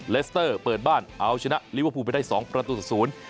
เลสเตอร์เปิดบ้านเอาชนะลิเวอร์พูลไปได้สองประตูต่อศูนย์